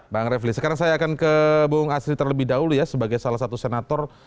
bang refli sekarang saya akan ke bung asri terlebih dahulu ya sebagai salah satu senator